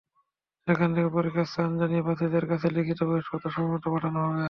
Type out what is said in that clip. সেখান থেকে পরীক্ষায় স্থান জানিয়ে প্রার্থীদের কাছে লিখিত প্রবেশপত্র সময়মতো পাঠানো হবে।